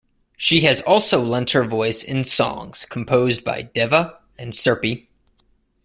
She has also lent her voice in songs composed by Deva and Sirpy.